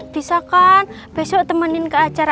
bisa kan besok temenin ke acara